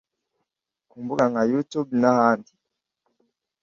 ku mbuga nka YouTube n’ahandi